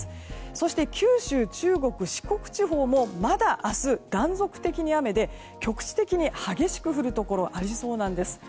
そして、九州、中国・四国地方もまだ明日、断続的に雨で局地的に激しく降るところありそうです。